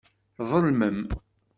Tḍelmem.